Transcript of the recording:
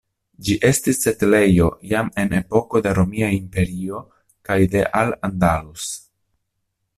Ĝi estis setlejo jam en epoko de Romia Imperio kaj de Al-Andalus.